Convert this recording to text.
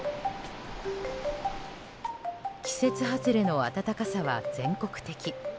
季節外れの暖かさは全国的。